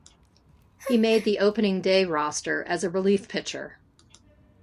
He made the opening day roster as a relief pitcher.